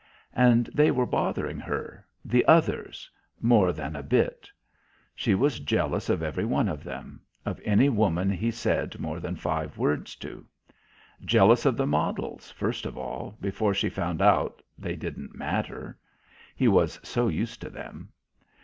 And they were bothering her "the others" more than "a bit." She was jealous of every one of them, of any woman he said more than five words to. Jealous of the models, first of all, before she found out that they didn't matter; he was so used to them.